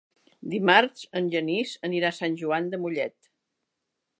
Dimarts en Genís anirà a Sant Joan de Mollet.